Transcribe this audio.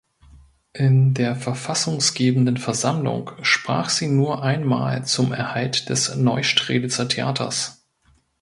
In der Verfassunggebenden Versammlung sprach sie nur ein Mal zum Erhalt des Neustrelitzer Theaters.